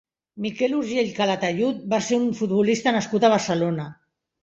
Miquel Urgell Calatayud va ser un futbolista nascut a Barcelona.